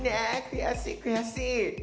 悔しい悔しい。